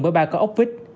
bởi ba cái ốc vít